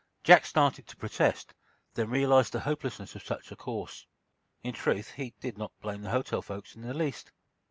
Jack started to protest, then realized the hopelessness of such a course. In truth, he did not blame the hotel folks in the least.